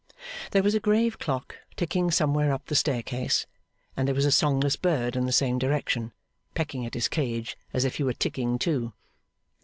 There was a grave clock, ticking somewhere up the staircase; and there was a songless bird in the same direction, pecking at his cage, as if he were ticking too.